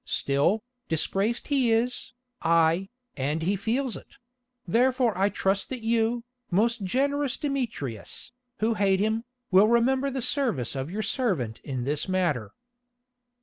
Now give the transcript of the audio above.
Still, disgraced he is, aye, and he feels it; therefore I trust that you, most generous Demetrius, who hate him, will remember the service of your servant in this matter."